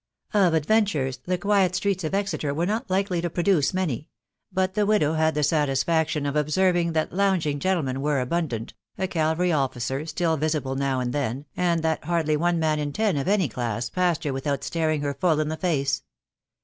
Of adventures, the quiet streets of Exeter were not likely to produce many ; but the widow had the satisfaction, of observing that, lounging gentle men were abundant, a» cavalry officer still visible now and then, and that hardly one man in ten df any olato passed her without stating her full in the face.